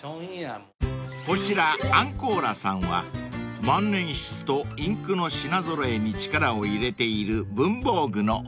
［こちらアンコーラさんは万年筆とインクの品揃えに力を入れている文房具のお店］